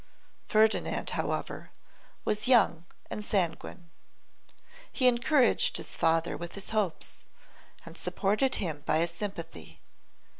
Ferdinand, however, was young and sanguine. He encouraged his father with his hopes, and supported him by his sympathy.